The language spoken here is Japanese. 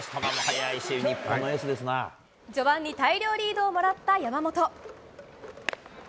序盤に大量リードをもらった山本。